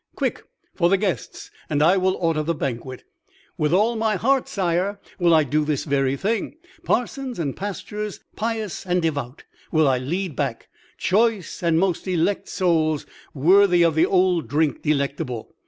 Quick, for the guests, and I will order the banquet!" "With all my heart, sire, will I do this very thing. Parsons and pastors, pious and devout, will I lead back, choice and most elect souls worthy of the old drink delectable.